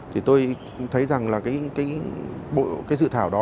thì tôi thấy rằng là cái dự thảo đó